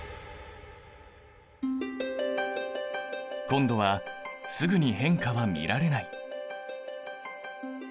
今度はすぐに変化は見られない。